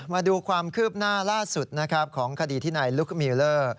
มาดูความคืบหน้าล่าสุดนะครับของคดีที่นายลุกมิลเลอร์